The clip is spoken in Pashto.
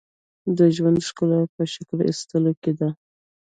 • د ژوند ښکلا په شکر ایستلو کې ده.